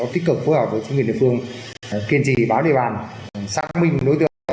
tích cực phối hợp với chính quyền địa phương kiên trì bám địa bàn xác minh đối tượng